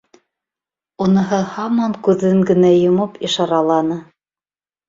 Уныһы һаман күҙен генә йомоп ишараланы.